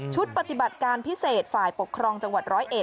ปฏิบัติการพิเศษฝ่ายปกครองจังหวัด๑๐๑